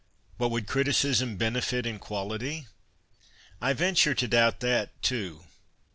But would criticism benefit in quality ? I venture to doubt that, too.